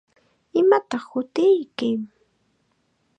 ¿Imataq hutiyki?